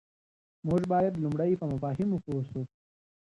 موږ بايد لومړی په مفاهيمو پوه سو.